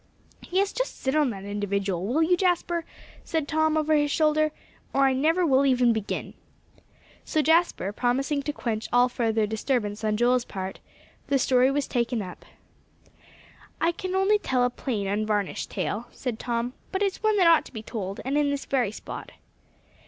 "Yes, just sit on that individual, will you, Jasper?" said Tom, over his shoulder, "or I never will even begin." So, Jasper promising to quench all further disturbance on Joel's part, the story was taken up. "I can only tell a plain, unvarnished tale," said Tom, "but it's one that ought to be told, and in this very spot.